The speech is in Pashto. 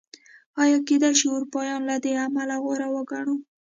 ایا کېدای شي اروپایان له دې امله غوره وګڼو؟